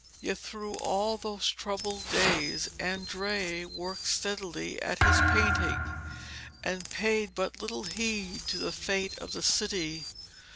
Yet through all those troubled days Andrea worked steadily at his painting, and paid but little heed to the fate of the city.